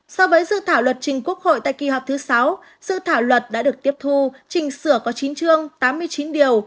so với dự thảo luật trình quốc hội tại kỳ họp thứ sáu dự thảo luật đã được tiếp thu trình sửa có chín chương tám mươi chín điều